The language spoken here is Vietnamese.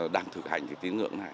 đang thực hành cái tín ngưỡng này